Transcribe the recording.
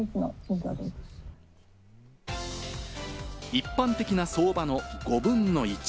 一般的な相場の５分の１。